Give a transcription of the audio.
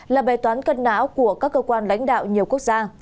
là bài toán cân não của các cơ quan lãnh đạo nhiều quốc gia